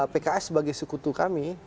pks sebagai sekutu kami